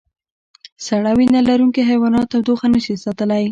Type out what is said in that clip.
سړه وینه لرونکي حیوانات تودوخه نشي ساتلی